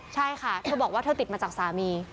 ใช่ค่ะเธอบอกว่าเธอติดมาจากสามี